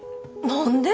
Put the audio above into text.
何で？